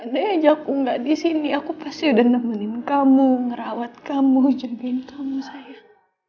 andai aja aku gak disini aku pasti udah nemenin kamu ngerawat kamu jagain kamu sayang